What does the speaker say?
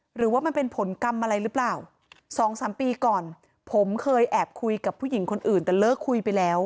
หรือว่ามันเป็นผลกรรมอะไรหรือเปล่าสองสามปีก่อนผมเคยแอบคุยกับผู้หญิงคนอื่นแต่เลิกคุยไปแล้ว